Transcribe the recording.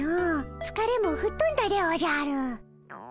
つかれもふっとんだでおじゃる。